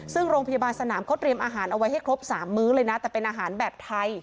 ซึ่งโรงพยาบาลสนามเขาเตรียมอาหารเอาไว้ให้ครบ๓มื้อเลยนะแต่เป็นอาหารแบบไทย